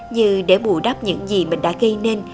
như để bù đắp những gì mình đã gây nên